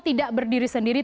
tidak berdiri sendiri